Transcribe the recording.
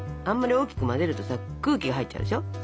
あんまり大きく混ぜるとさ空気が入っちゃうでしょ？